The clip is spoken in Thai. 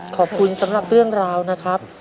ขอบคุณสำหรับเรื่องราวนะครับ